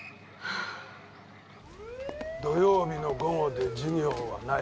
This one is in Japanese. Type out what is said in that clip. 土曜日の午後で授業はない。